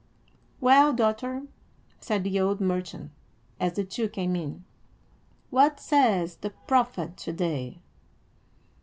"Well, daughter," said the old merchant, as the two came in, "what saith the prophet to day?"